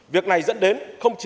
việc này dẫn đến không chỉ